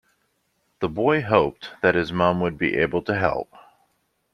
The boy hoped that his mum would be able to help